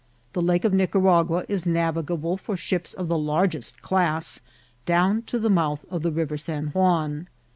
The Lake of Nicaragua is navigable for ships of the largest class down io the mouth of the River San Juan.